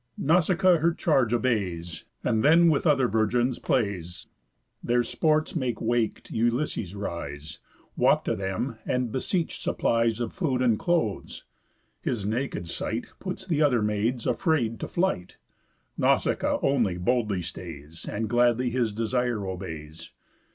Nausicaa her charge obeys, And then with other virgins plays. Their sports make wak'd Ulysses rise; Walk to them, and beseech supplies Of food and clothes. His naked sight Puts th' other maids, afraid, to flight; Nausicaa only boldly stays, And gladly his desire obeys.